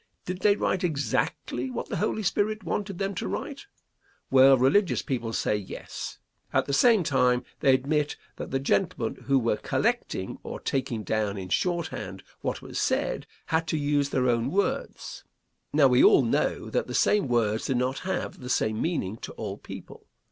Did they write exactly what the Holy Spirit wanted them to write? Well, religious people say, yes. At the same time they admit that the gentlemen who were collecting, or taking down in shorthand what was said, had to use their own words. Now, we all know that the same words do not have the same meaning to all people.